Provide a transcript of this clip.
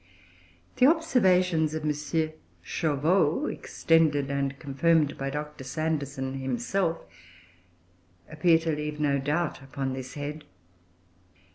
The observations of M. Chauveau, extended and confirmed by Dr. Sanderson himself, appear to leave no doubt upon this head.